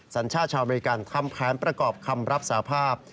สัญชาติชาวอเมริกันทำแผนประกอบคำรับสาภาพ